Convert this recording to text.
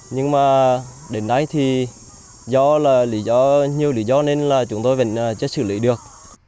nhưng mà đến nay thì do là nhiều lý do nên là chúng tôi vẫn chưa xử lý được